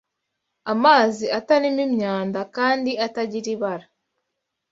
Amazi atarimo imyanda kandi atagira ibara